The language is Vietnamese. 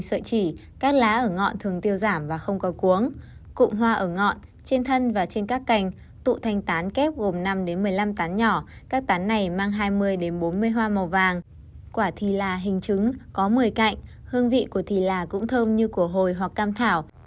quả thì là hình trứng có một mươi cạnh hương vị của thì là cũng thơm như của hồi hoặc cam thảo